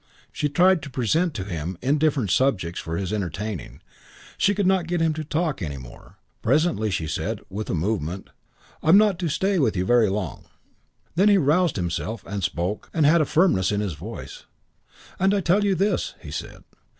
She tried to present to him indifferent subjects for his entertainment. She could not get him to talk any more. Presently she said, with a movement, "I am not to stay with you very long." He then aroused himself and spoke and had a firmness in his voice. "And I'll tell you this," he said.